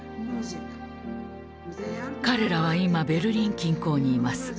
彼らは今ベルリン近郊にいます。